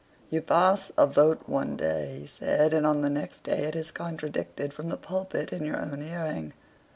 "You pass a vote one day," he said; "and on the next day it is contradicted from the pulpit in your own hearing."